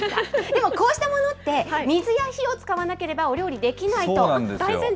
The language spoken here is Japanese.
でも、こうしたものって、水や火を使わなければお料理できないと。